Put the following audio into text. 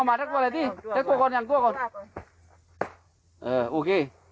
มันลักษณะแปลก